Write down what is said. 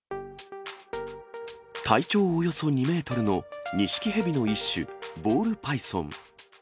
体長およそ２メートルのニシキヘビの一種、ボールパイソン。